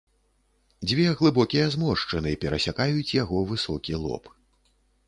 Дзве глыбокія зморшчыны перасякаюць яго высокі лоб.